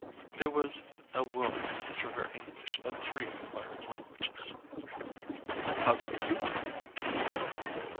There was a whir through her English of three acquired languages. "How do you do?"